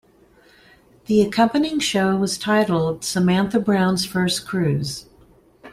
The accompanying show was titled "Samantha Brown's First Cruise".